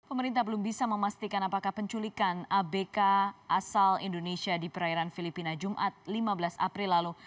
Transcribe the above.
pemerintah belum bisa memastikan apakah penculikan abk asal indonesia di perairan filipina jumat lima belas april lalu